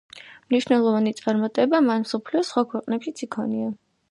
მნიშვნელოვანი წარმატება მან მსოფლიოს სხვა ქვეყნებშიც იქონია.